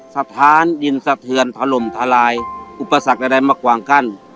สถานดินสะเทือนถล่มทลายอุปสรรคใดมากวางกั้น